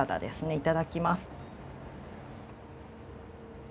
いただきます。